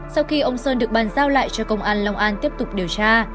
sau khi ông sơn được bàn giao lại cho công an long an tiếp tục điều tra